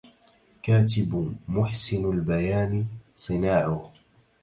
كاتب محسن البيان صناعه